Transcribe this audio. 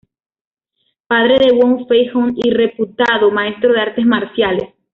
Padre de Wong Fei Hung y reputado maestro de artes marciales.